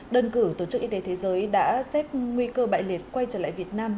đơn cử tổ chức y tế thế giới đã xét nguy cơ bại liệt quay trở lại việt nam